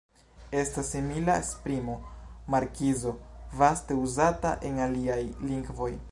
Estas simila esprimo "markizo", vaste uzata en aliaj lingvoj.